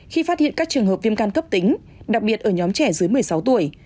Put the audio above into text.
khi phát hiện các trường hợp viêm gan cấp tính đặc biệt ở nhóm trẻ dưới một mươi sáu tuổi